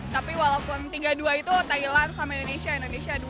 tapi walaupun tiga dua itu thailand sama indonesia indonesia dua